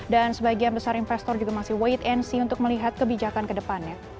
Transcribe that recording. dan sebagian besar investor juga masih wait and see untuk melihat kebijakan ke depannya